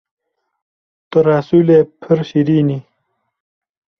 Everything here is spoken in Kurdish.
Tu Resûlê pir şîrîn î